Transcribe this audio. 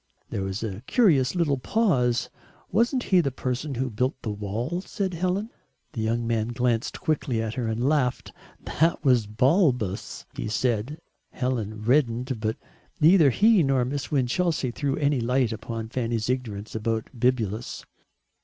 There was a curious little pause. "Wasn't he the person who built the wall?" said Helen. The young man glanced quickly at her and laughed. "That was Balbus," he said. Helen reddened, but neither he nor Miss Winchelsea threw any light upon Fanny's ignorance about Bibulus.